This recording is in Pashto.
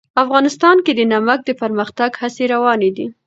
افغانستان کې د نمک د پرمختګ هڅې روانې دي.